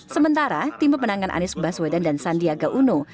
sementara tim pemenangan anies baswedan dan sandiaga uno